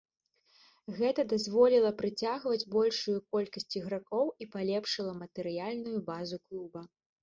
Гэта дазволіла прыцягваць большую колькасць ігракоў і палепшыла матэрыяльную базу клуба.